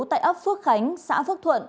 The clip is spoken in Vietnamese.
tại ấp phước khánh xã phước thuận